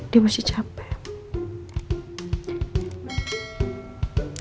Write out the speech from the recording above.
dia masih capek